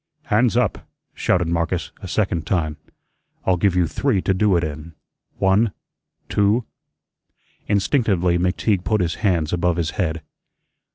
"Hands up!" shouted Marcus a second time. "I'll give you three to do it in. One, two " Instinctively McTeague put his hands above his head.